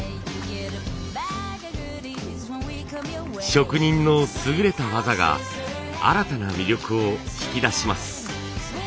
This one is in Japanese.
職人の優れた技が新たな魅力を引き出します。